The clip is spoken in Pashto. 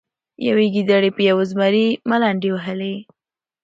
یوې ګیدړې په یو زمري ملنډې وهلې.